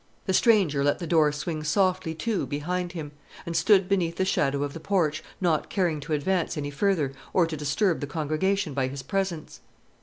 The stranger let the door swing softly to behind him, and stood beneath the shadow of the porch, not caring to advance any further, or to disturb the congregation by his presence.